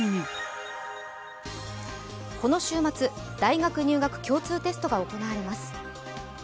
この週末、大学入試共通テストが行われます。